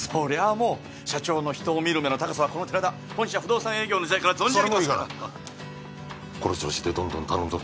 もう社長の人を見る目の高さはこの寺田本社不動産営業の時代から存じ上げてますからそれもういいからこの調子でどんどん頼むぞ